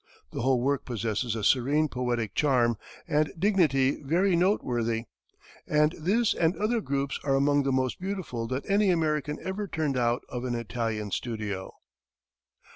The whole work possesses a serene poetic charm and dignity very noteworthy; and this and other groups are among the most beautiful that any American ever turned out of an Italian studio.